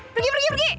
pergi pergi pergi